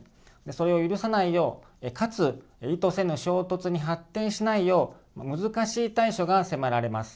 それを許さないよう、かつ意図せぬ衝突に発展しないよう難しい対処が迫られます。